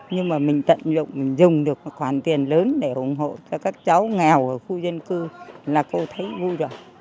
nhưng mà mình tận dụng mình dùng được khoản tiền lớn để ủng hộ cho các cháu nghèo ở khu dân cư là cô thấy vui được